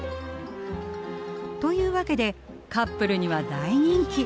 というわけでカップルには大人気。